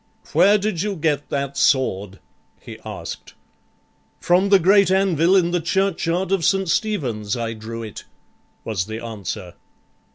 "Where did you get that sword?" he asked. "From the great anvil in the churchyard of St. Stephen's I drew it," was the answer.